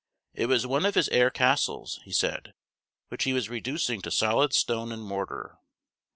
"It was one of his air castles," he said, "which he was reducing to solid stone and mortar."